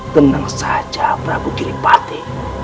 tenang saja prabu giripati